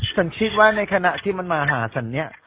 ฉันคิดว่าในขณะที่มันมาหาฉันเนี่ย